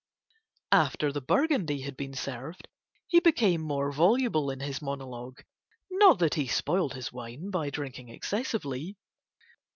After the Burgundy had been served he became more voluble in his monologue, not that he spoiled his wine by drinking excessively.